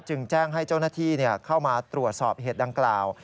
จึงแจ้งให้เจ้าหน้าที่เข้ามาตรวจสอบเหตุดังกล่าว